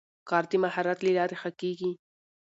کار د مهارت له لارې ښه کېږي